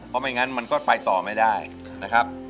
เพราะไม่งั้นมันก็ไปต่อไม่ได้นะครับ